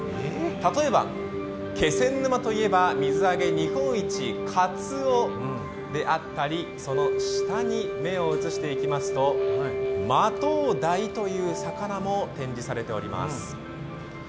例えば、気仙沼といえば水揚げ日本一、かつおであったり、その下に目を移していきますとマトウダイという魚も展示されております。